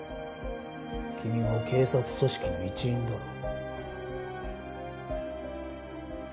君も警察組織の一員だろ。